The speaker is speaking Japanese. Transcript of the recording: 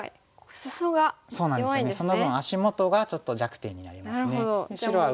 その分足元がちょっと弱点になりますね。